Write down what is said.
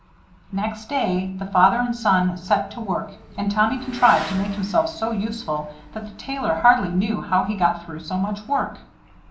Next day the father and son set to work, and Tommy contrived to make himself so useful, that the Tailor hardly knew how he got through so much work.